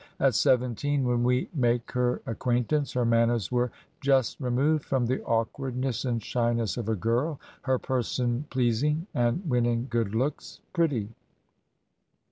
'' At seventeen, when we make her acquaintance, her manners were " just removed from the awkwardness and shyness of a girl; her person pleas ing, and when in good looks, pretty."